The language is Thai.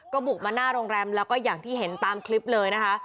ก็บุกมาหน้าโรงแรมแล้วก็อย่างที่เห็นตามคลิปเลยนะคะ